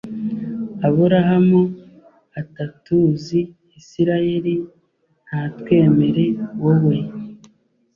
Aburahamu Atatuzi Isirayeli Ntatwemere Wowe